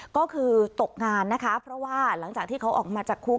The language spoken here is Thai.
ก็คือตกงานนะคะเพราะว่าหลังจากที่เขาออกมาจากคุก